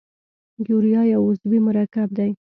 یوریا یو عضوي مرکب دی.